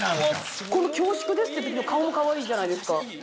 この「恐縮です！」ってときの顔もかわいいじゃないですか。